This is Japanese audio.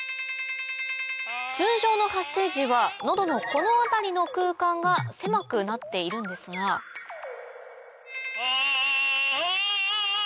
通常の発声時は喉のこの辺りの空間が狭くなっているんですがアアア。